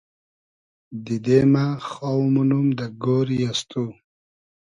دیدې مۂ خاو مونوم دۂ گۉری از تو